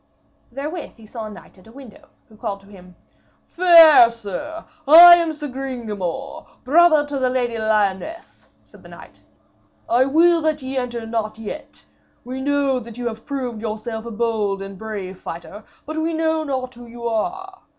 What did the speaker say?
Therewith he saw a knight at a window, who called to him. 'Fair sir, I am Sir Gringamor, brother to the Lady Lyones,' said the knight. 'I will that ye enter not yet. We know that you have proved yourself a bold and brave fighter, but we know not who you are.